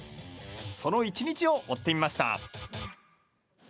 その１日を追ってみました。